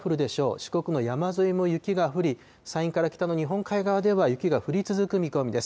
四国の山沿いも雪が降り、山陰から北の日本海側では雪が降り続く見込みです。